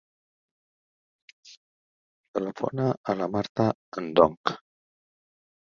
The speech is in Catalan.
Telefona a la Marta Ndong.